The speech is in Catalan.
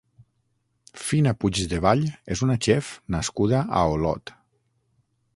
Fina Puigdevall és una chef nascuda a Olot.